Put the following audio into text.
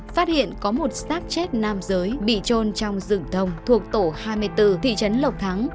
phát hiện có một sáp chết nam giới bị trôn trong rừng thông thuộc tổ hai mươi bốn thị trấn lộc thắng